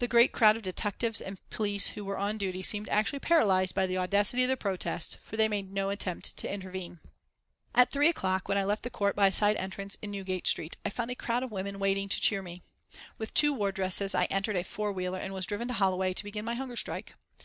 The great crowd of detectives and police who were on duty seemed actually paralysed by the audacity of the protest, for they made no attempt to intervene. At three o'clock, when I left the court by a side entrance in Newgate Street, I found a crowd of women waiting to cheer me. With the two wardresses I entered a four wheeler and was driven to Holloway to begin my hunger strike.